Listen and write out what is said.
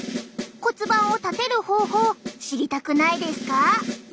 骨盤を立てる方法知りたくないですか？